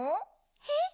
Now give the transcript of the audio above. えっ？